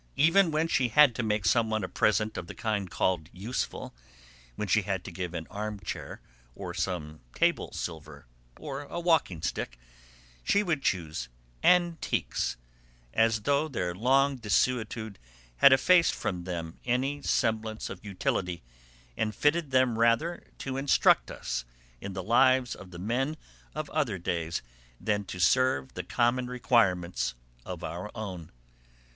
Even when she had to make some one a present of the kind called 'useful,' when she had to give an armchair or some table silver or a walking stick, she would choose 'antiques,' as though their long desuetude had effaced from them any semblance of utility and fitted them rather to instruct us in the lives of the men of other days than to serve the common requirements of our own.